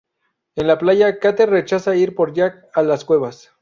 En la playa, Kate rechaza ir con Jack a las cuevas.